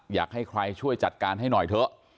อยากให้ใครช่วยจัดการให้หน่อยเถอะ